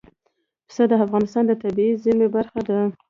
پسه د افغانستان د طبیعي زیرمو برخه ده.